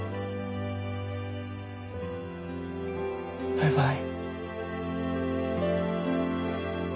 バイバイ。